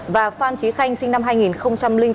và phan trí khanh sinh năm hai nghìn bốn